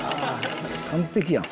完璧やん。